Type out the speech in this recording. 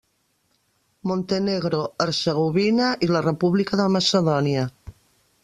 Montenegro, Hercegovina i la República de Macedònia.